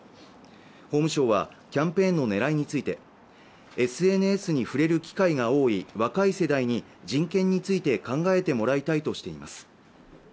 法務省はキャンペーンの狙いについてＳＮＳに触れる機会が多い若い世代に人権について考えてもらいたいとしています